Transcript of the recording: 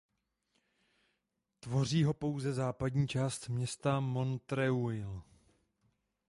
Tvoří ho pouze západní část města Montreuil.